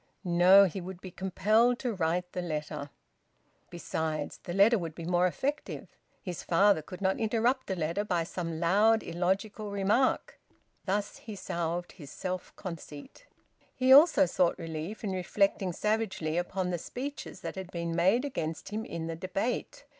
... No, he would be compelled to write the letter. Besides, the letter would be more effective. His father could not interrupt a letter by some loud illogical remark. Thus he salved his self conceit. He also sought relief in reflecting savagely upon the speeches that had been made against him in the debate.